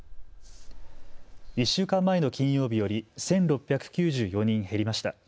１週間前の金曜日より１６９４人減りました。